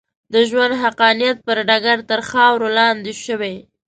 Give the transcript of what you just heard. د ژوند حقانیت پر ډګر تر خاورو لاندې شوې.